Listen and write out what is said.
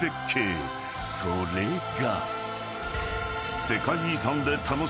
［それが］